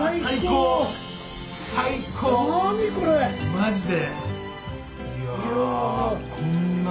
マジで。